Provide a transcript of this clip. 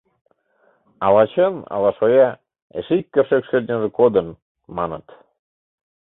Ала чын, ала шоя, эше ик кӧршӧк шӧртньыжӧ кодын, маныт.